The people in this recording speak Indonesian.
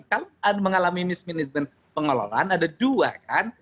kalau mengalami misminism pengelolaan ada dua kan